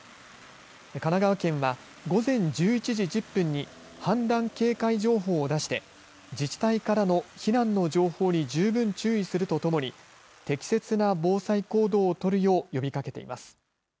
神奈川県は午前１１時１０分に氾濫警戒情報を出して自治体からの避難の情報に十分注意するとともに適切な防災行動を取るよう呼びかけています。